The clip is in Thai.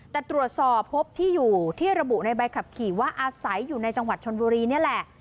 แต่ตรวจสอบพบที่อยู่ที่ระบุในใบขับขี่ว่าอาศัยอยู่ในจังหวัดชนบุรีนี่แหละ